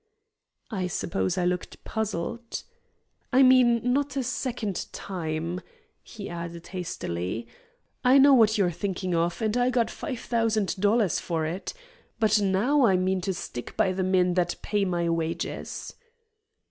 I suppose I looked puzzled. "I mean not a second time," he added hastily. "I know what you're thinking of, and I got five thousand dollars for it. But now I mean to stick by the men that pay my wages."